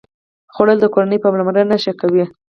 خوړل د کورنۍ پاملرنه ښکاره کوي